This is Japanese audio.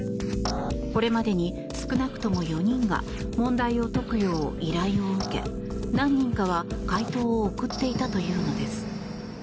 これまでに少なくとも４人が問題を解くよう依頼を受け何人かは解答を送っていたというのです。